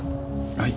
はい。